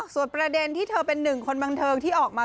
ส่วนประเด็นที่เธอเป็นหนึ่งคนบันเทิงที่ออกมา